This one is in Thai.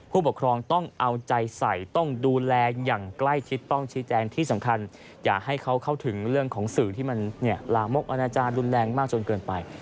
ผู้ปกครองต้องเอาใจใส่ต้องดูแลอย่างใกล้ชิดต้องชี้แจงที่สำคัญอย่าให้เขาเข้าถึงเรื่องของสื่อที่มันลามกอนาจารย์รุนแรงมากจนเกินไป